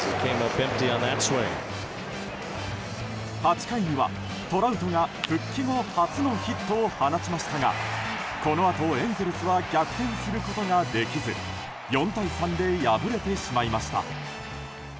８回にはトラウトが復帰後初のヒットを放ちましたがこのあと、エンゼルスは逆転することができず４対３で敗れてしまいました。